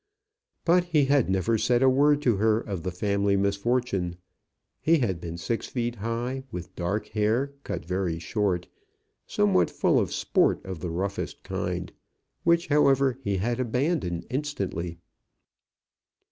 But he had never said a word to her of the family misfortune. He had been six feet high, with dark hair cut very short, somewhat full of sport of the roughest kind, which, however, he had abandoned instantly.